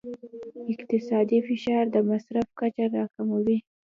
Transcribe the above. اقتصادي فشار د مصرف کچه راکموي.